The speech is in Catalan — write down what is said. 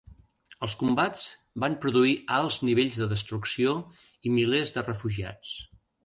Els combats van produir alts nivells de destrucció i milers de refugiats.